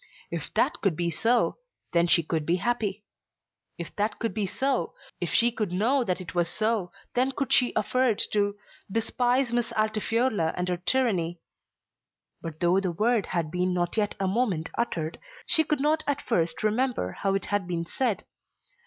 If that could be so, then she could be happy; if that could be so, if she could know that it was so, then could she afford to despise Miss Altifiorla and her tyranny. But though the word had been not yet a moment uttered, she could not at first remember how it had been said.